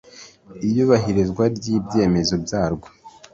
Iyubahirizwa ry ibyemezo byarwo